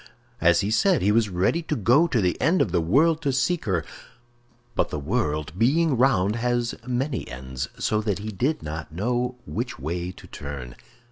As he said, he was ready to go to the end of the world to seek her; but the world, being round, has many ends, so that he did not know which way to turn.